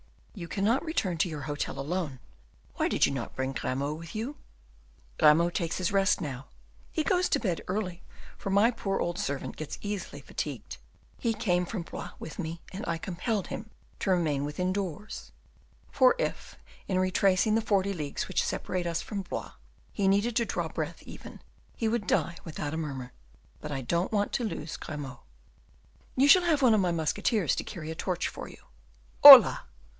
"You cannot return to your hotel alone; why did you not bring Grimaud with you?" "Grimaud takes his rest now; he goes to bed early, for my poor old servant gets easily fatigued. He came from Blois with me, and I compelled him to remain within doors; for if, in retracing the forty leagues which separate us from Blois, he needed to draw breath even, he would die without a murmur. But I don't want to lose Grimaud." "You shall have one of my musketeers to carry a torch for you. _Hola!